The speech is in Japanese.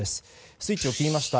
スイッチを切りました。